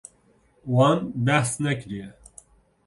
Wan behs nekiriye.